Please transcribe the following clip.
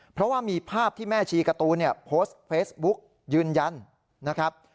เพราะว่ามีภาพที่แม่ชีการ์ตูนเนี่ยโพสต์เฟซบุ๊กยืนยันนะครับ